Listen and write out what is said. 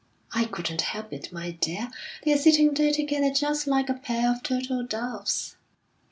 "I couldn't help it, my dear. They're sitting there together just like a pair of turtle doves."